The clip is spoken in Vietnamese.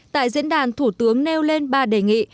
tại diễn đàn thủ tướng nêu lên ba đề nghị